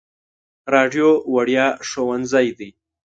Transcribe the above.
راډیو وړیا ښوونځی دی.